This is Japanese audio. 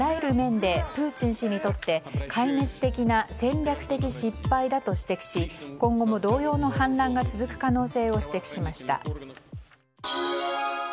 更に、水面下だったことが表面化しているあらゆる面でプーチン氏にとって壊滅的な戦略的失敗だと指摘し今後も同様の反乱が続く可能性を指摘しました。